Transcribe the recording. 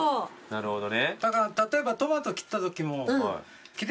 なるほど。